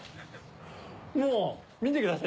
もう、見てください。